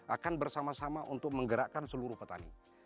akan bersama sama untuk menggerakkan seluruh petani